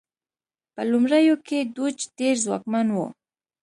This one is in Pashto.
په لومړیو کې دوج ډېر ځواکمن و.